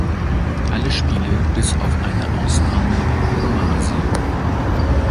Alle Spiele bis auf eine Ausnahme in Kumasi.